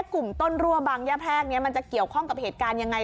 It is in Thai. กลุ่มต้นรั่วบางย่าแพรกนี้มันจะเกี่ยวข้องกับเหตุการณ์ยังไง